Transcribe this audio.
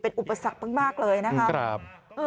อุปสรรคมากเลยนะครับ